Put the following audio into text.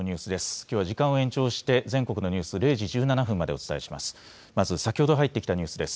きょうは時間を延長して全国のニュース、０時１７分までお伝えします。